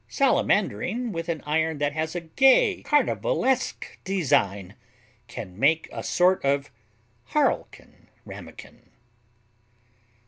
Salamandering with an iron that has a gay, carnivalesque design can make a sort of harlequin Ramekin.